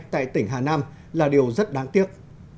tại tỉnh hà nam là điều rất đáng tiếc